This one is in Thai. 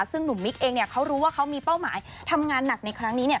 ซึ่งหนุ่มมิกเองเนี่ยเขารู้ว่าเขามีเป้าหมายทำงานหนักในครั้งนี้เนี่ย